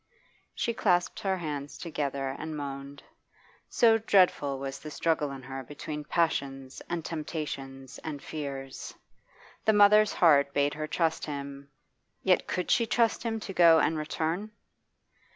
She clasped her hands together and moaned, so dreadful was the struggle in her between passions and temptations and fears. The mother's heart bade her trust him; yet could she trust him to go and return?